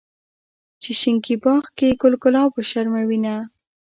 چې شينکي باغ کې ګل ګلاب وشرمووينه